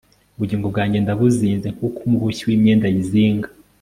ubugingo bwanjye ndabuzinze nk'uko umuboshyi w'imyenda ayizinga